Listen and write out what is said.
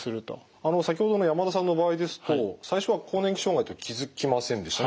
あの先ほどの山田さんの場合ですと最初は更年期障害と気付きませんでしたね。